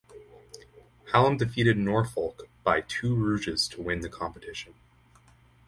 Hallam defeated Norfolk by two rouges to win the competition.